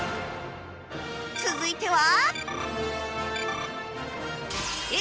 続いては